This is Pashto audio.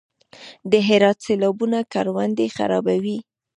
د هرات سیلابونه کروندې خرابوي؟